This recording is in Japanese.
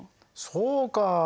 そうか。